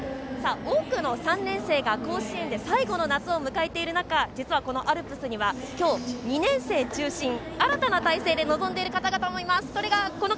多くの３年生が甲子園で最後の夏を迎えている中実は、このアルプスには２年生中心新たな体制で臨んでいる方々がいます。